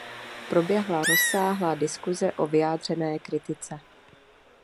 Proběhla rozsáhlá diskuse o vyjádřené kritice.